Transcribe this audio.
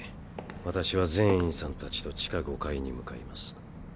私は禪院さんたちと地下５階に向かいます。